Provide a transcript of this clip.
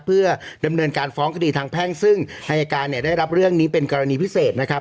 เพื่อดำเนินการฟ้องคดีทางแพ่งซึ่งอายการเนี่ยได้รับเรื่องนี้เป็นกรณีพิเศษนะครับ